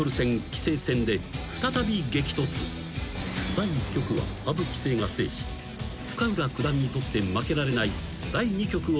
［第１局は羽生棋聖が制し深浦九段にとって負けられない第２局を迎えた］